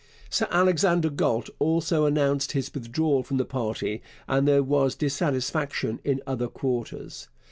Sir Alexander Galt also announced his withdrawal from the party, and there was dissatisfaction in other quarters.